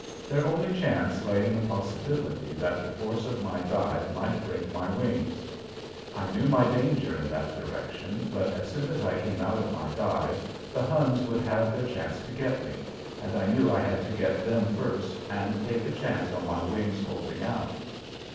Their only chance lay in the possibility that the force of my dive might break my wings. I knew my danger in that direction, but as soon as I came out of my dive the Huns would have their chance to get me, and I knew I had to get them first and take a chance on my wings holding out.